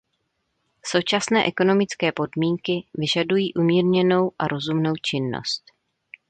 Současné ekonomické podmínky vyžadují umírněnou a rozumnou činnost.